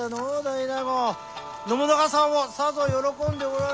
信長様もさぞ喜んでおられる。